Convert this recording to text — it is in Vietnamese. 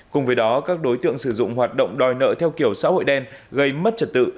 cùng với đó các đối tượng sử dụng hoạt động đòi nợ theo kiểu xã hội đen gây mất trật tự